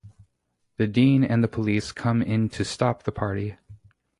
The dean and the police come in to stop the party.